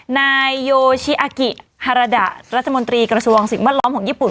นายโยชิอากิฮาราดะรัฐมนตรีกระทรวงสิ่งแวดล้อมของญี่ปุ่น